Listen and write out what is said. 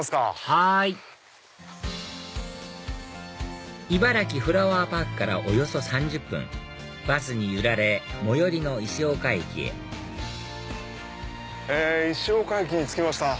はいいばらきフラワーパークからおよそ３０分バスに揺られ最寄りの石岡駅へ石岡駅に着きました。